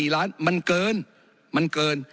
๕๐๔ล้านมันเกิน